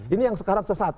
ini yang sekarang sesat